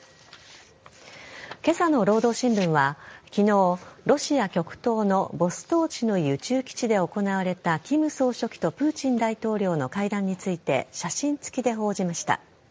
今朝の労働新聞は、昨日ロシア極東のボストーチヌイ宇宙基地で行われた金総書記とプーチン大統領の会談について写真付きで報じました。